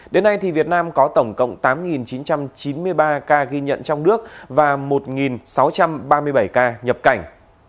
đến nay việt nam có tổng cộng tám chín trăm chín mươi ba ca ghi nhận trong nước và một sáu trăm ba mươi bảy ca nhập cảnh